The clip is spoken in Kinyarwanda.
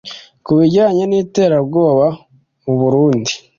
Ku bijyanye n’iterabwoba mu Burundi